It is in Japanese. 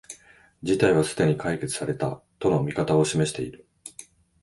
事態はすでに解決された、との見方を示している